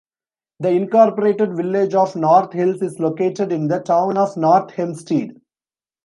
The Incorporated Village of North Hills is located in the Town of North Hempstead.